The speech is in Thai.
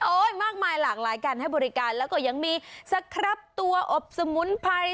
มากมายหลากหลายการให้บริการแล้วก็ยังมีสครับตัวอบสมุนไพร